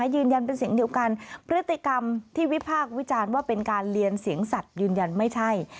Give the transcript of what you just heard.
ยืนยันเป็นเสียงเดียวกันพฤติกรรมที่วิพากษ์วิจารณ์ว่าเป็นการเรียนเสียงสัตว์ยืนยันไม่ใช่